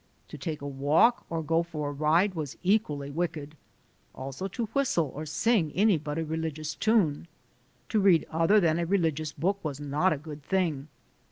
To take a walk or go for a ride was equally wicked, also to whistle or sing any but a religious tune. To read other than a religious book was not a good thing.